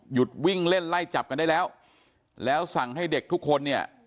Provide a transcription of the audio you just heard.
วิ่งเล่นไล่จับกันได้แล้วแล้วสั่งให้เด็กทุกคนเนี่ย